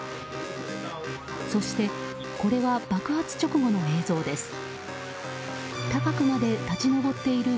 そして、これは爆発直後の映像です。